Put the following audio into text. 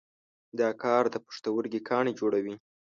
دا کار د پښتورګي کاڼي جوړوي.